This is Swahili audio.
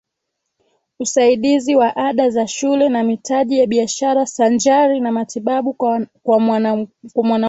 usaidizi wa ada za shule na mitaji ya biashara sanjari na matibabu kwa mwanaukoo